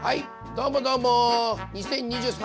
どうもどうも！